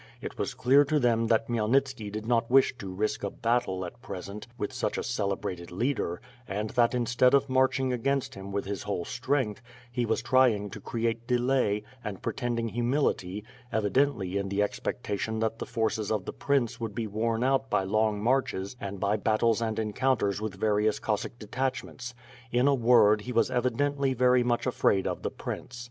It was clear to them that Khmyelnitski did not wish to risk a battle at present with such a celebrated leader and that instead of marching against him with his whole strength, he was trying to create delay, and pretending humility, evi dently in the expectation that the forces of the prince would be worn out by long marches and by battles and encounters with various Cossack detachments; in a word he was evi dently very much afraid of the prince.